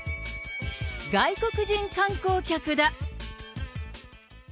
外国人観光客だ。